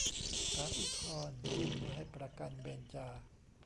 ศาลอุทธรณ์ยืนไม่ให้ประกัน 'เบนจา'